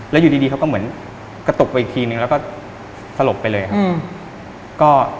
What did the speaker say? แล้วอยู่ดีเขาก็เหมือนกระตุกไปอีกทีนึงแล้วก็สลบไปเลยครับ